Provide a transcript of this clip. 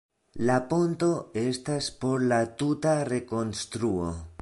La ponto estas por la tuta rekonstruo.